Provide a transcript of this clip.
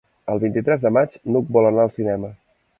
El vint-i-tres de maig n'Hug vol anar al cinema.